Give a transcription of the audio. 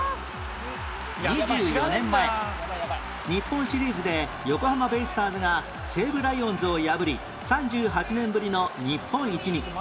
２４年前日本シリーズで横浜ベイスターズが西武ライオンズを破り３８年ぶりの日本一に